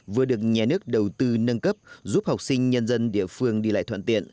vừa được nhà nước đầu tư nâng cấp giúp học sinh nhân dân địa phương đi lại thuận tiện